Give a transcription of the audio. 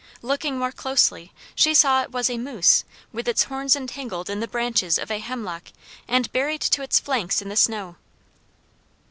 Looking more closely she saw it was a moose, with its horns entangled in the branches of a hemlock and buried to its flanks in the snow.